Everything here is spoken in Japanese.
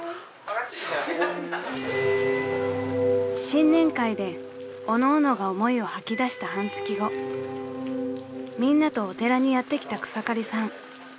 ［新年会でおのおのが思いを吐き出した半月後みんなとお寺にやって来た草刈さん］